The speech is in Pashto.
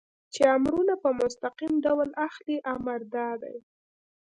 چې امرونه په مستقیم ډول اخلئ، امر دا دی.